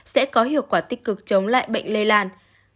sẽ có hiệu quả tích cực chống lại bệnh lây lan